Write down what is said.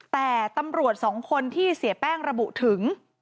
แต่ตำรวจสองคนที่เสียแป้งระบุถึง